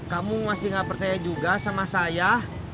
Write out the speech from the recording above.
kamu masih gak percaya juga sama saya